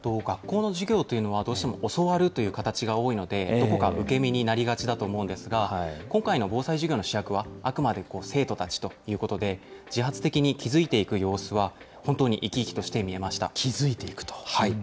学校の授業というのは、どうしても教わるという形が多いので、どこか受け身になりがちだと思うんですが、今回の防災授業の主役は、あくまで生徒たちということで、自発的に気付いていく様子は気付いていくと。